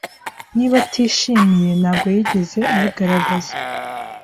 Niba atishimiye, ntabwo yigeze abigaragaza.